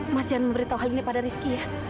mas jan memberitahu hal ini pada rizky ya